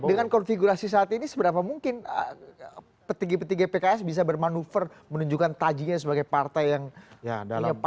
dengan konfigurasi saat ini seberapa mungkin peti peti pks bisa bermanuver menunjukkan tajinya sebagai partai yang punya power